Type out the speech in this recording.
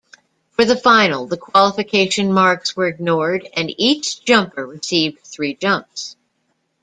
For the final, the qualification marks were ignored and each jumper received three jumps.